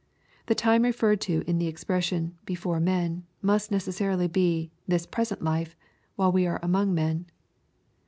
The time referred to in the expression, "before men/' must necessarily be, this present life, while we are among men.